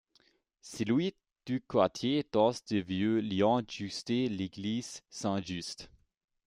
Celui du quartier dense du Vieux Lyon jouxte l'église Saint-Just.